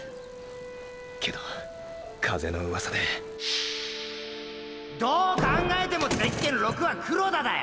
けど風のウワサでどう考えてもゼッケン６は黒田だよ！！